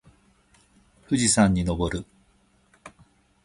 富士山に登る